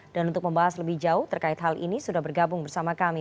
dan untuk membahas lebih jauh terkait hal ini sudah bergabung bersama kami